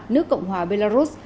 nước cộng hòa belarus